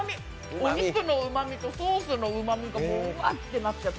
お肉のうまみと、ソースのうまみがもう、うわっ！ってなっちゃう。